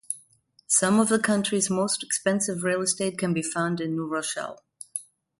Some of the country's most expensive real estate can be found in New Rochelle.